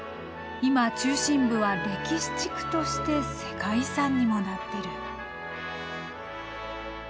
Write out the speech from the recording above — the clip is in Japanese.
今中心部は歴史地区として世界遺産にもなってる。